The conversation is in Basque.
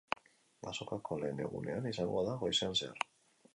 Azokako lehen egunean izango da, goizean zehar.